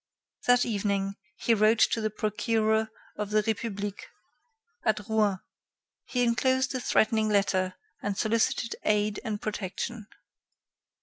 That evening, he wrote to the Procurer of the Republique at Rouen. He enclosed the threatening letter and solicited aid and protection.